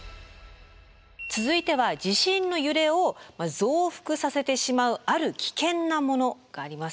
続いては地震の揺れを増幅させてしまうある危険なものがあります。